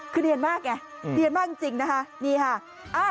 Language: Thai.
คือเนียนมากไงเรียนมากจริงนะคะนี่ค่ะ